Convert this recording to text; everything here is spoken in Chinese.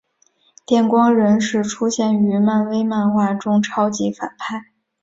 电光人是出现于漫威漫画中超级反派。